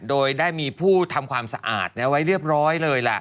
โดยได้มีผู้ทำความสะอาดไว้เรียบร้อยเลยล่ะ